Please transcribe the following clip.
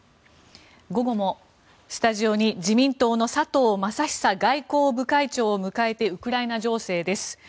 午後もスタジオに自民党の佐藤正久外交部会長を迎えてウクライナ情勢です。